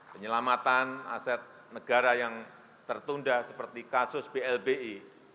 penyelamatan aset negara yang tertunda seperti kasus blbi